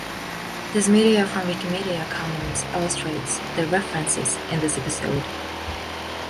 This media from Wikimedia Commons illustrates the references in this episode.